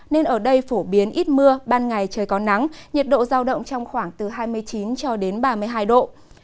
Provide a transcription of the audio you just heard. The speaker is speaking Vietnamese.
nên ở đây phổ biến ít mưa ban ngày trời có nắng nhiệt độ giao động trong khoảng từ hai mươi chín cho đến ba mươi hai độ